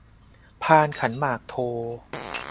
พานขันหมากโท